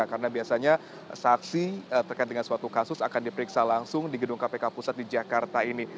karena biasanya saksi terkait dengan suatu kasus akan diperiksa langsung di gedung kpk pusat di jakarta ini